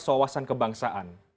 tes wawasan kebangsaan